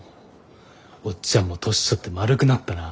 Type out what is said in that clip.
オッチャンも年取って丸くなったな。